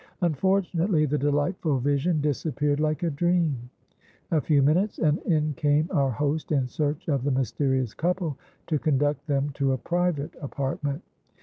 Unfortunately, the delightful vision disappeared like a dream. A few minutes, and in came our host in search of the mysterious couple, to conduct them to a private apartment.